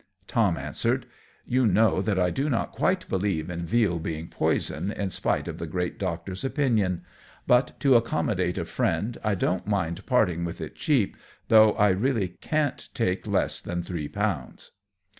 Tom answered, "You know that I do not quite believe in veal being poison, in spite of the great Doctor's opinion; but, to accommodate a friend, I don't mind parting with it cheap, though I really can't take less than three pounds."